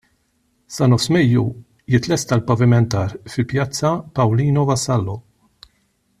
Sa nofs Mejju, jitlesta l-pavimentar fi Pjazza Paolino Vassallo.